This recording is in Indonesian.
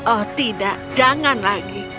oh tidak jangan lagi